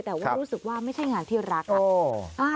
แต่ว่ารู้สึกว่าไม่ใช่งานที่รัก